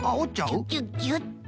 ギュギュギュッと。